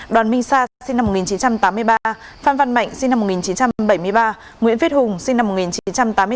đoàn minh sa sinh năm một nghìn chín trăm tám mươi ba phan văn mạnh sinh năm một nghìn chín trăm bảy mươi ba nguyễn viết hùng sinh năm một nghìn chín trăm tám mươi sáu